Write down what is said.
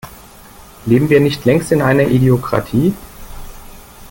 Leben wir nicht längst in einer Idiokratie?